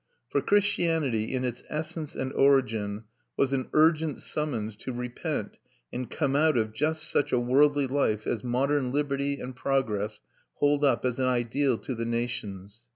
For Christianity, in its essence and origin, was an urgent summons to repent and come out of just such a worldly life as modern liberty and progress hold up as an ideal to the nations.